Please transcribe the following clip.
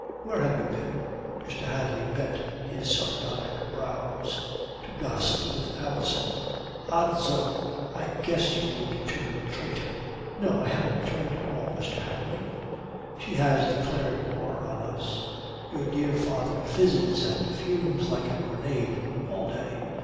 Where have you been?" Mr. Hadley bent his sardonic brows. "To gossip with Alison." "Odso, I guessed you would turn traitor." "No. I haven't turned at all, Mr. Hadley." "She has declared war on us. Your dear father fizzes and fumes like a grenade all day.